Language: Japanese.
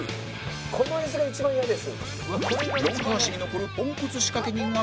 この椅子が一番嫌です。